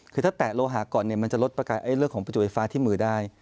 คือถ้าแตะโลหะก่อนมันจะลดเรื่องของประจุไฟฟ้าที่มือได้